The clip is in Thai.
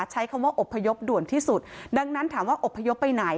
ใช้คำว่าอบพยพด่วนที่สุดดังนั้นถามว่าอบพยพไปไหน